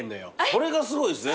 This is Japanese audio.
それがすごいですね。